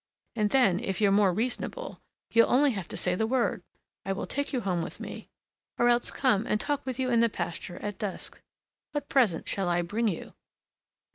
And then, if you're more reasonable, you'll only have to say the word: I will take you home with me, or else come and talk with you in the pasture at dusk. What present shall I bring you?"